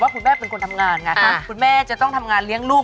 เขาจะต้องทำงานเลี้ยงลูก